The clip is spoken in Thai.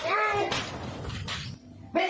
แล้วอะไรก็ได้เลย